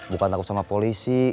bukan takut sama polisi